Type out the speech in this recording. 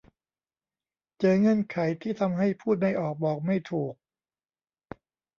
เจอเงื่อนไขที่ทำให้พูดไม่ออกบอกไม่ถูก